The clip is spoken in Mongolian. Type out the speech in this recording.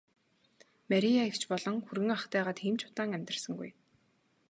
Мария эгч болон хүргэн ахтайгаа тийм ч удаан амьдарсангүй.